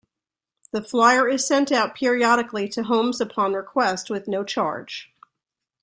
The flyer is sent out periodically to homes upon request with no charge.